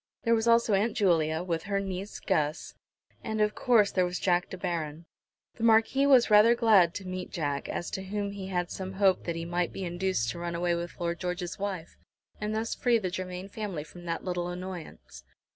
There was also Aunt Julia, with her niece Guss, and of course, there was Jack De Baron. The Marquis was rather glad to meet Jack, as to whom he had some hope that he might be induced to run away with Lord George's wife, and thus free the Germain family from that little annoyance.